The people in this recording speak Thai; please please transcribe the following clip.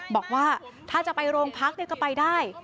บอกว่าถ้าจะไปโรงพักก็ไปได้